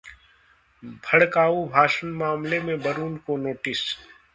भड़काऊ भाषण मामले में वरुण को नोटिस